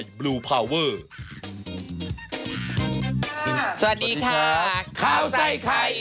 ข้าวใส่ไข่